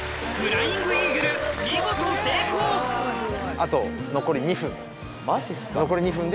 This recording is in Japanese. あと残り２分で。